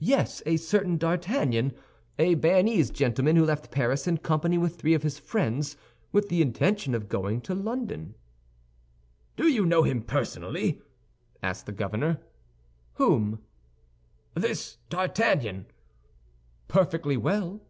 "Yes; a certain D'Artagnan, a Béarnese gentleman who left Paris in company with three of his friends, with the intention of going to London." "Do you know him personally?" asked the governor. "Whom?" "This D'Artagnan." "Perfectly well."